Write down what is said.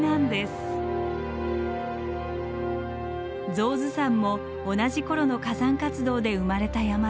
象頭山も同じ頃の火山活動で生まれた山です。